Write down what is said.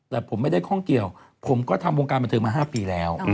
แต่ผมไม่ได้ข้องเกี่ยวผมก็ทำวงการบันเทิงมา๕ปีแล้ว